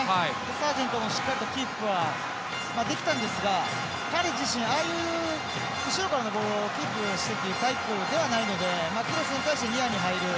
サージェントもしっかりキープはできたんですが彼自身、ああいう後ろからのボールをキープしてというタイプではないのでクロスに対してニアに入る。